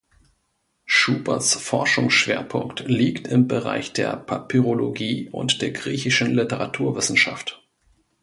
Schuberts Forschungsschwerpunkt liegt im Bereich der Papyrologie und der griechischen Literaturwissenschaft.